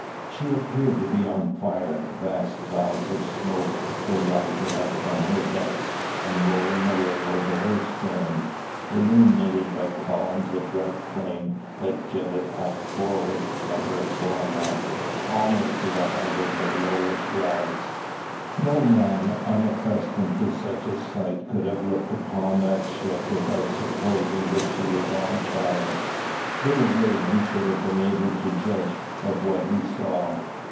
She appeared to be on fire. Vast clouds of smoke were rising up from her decks, and rolling away over her stern, illuminated by columns of bright flame that jetted up forward of her foremast, almost to the height of her lower shrouds. No man unaccustomed to such a sight could have looked upon that ship without supposing that she was on fire. Little William should have been able to judge of what he saw.